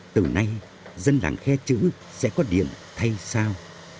từ nay dân làng khe chữ sẽ có điện thay sao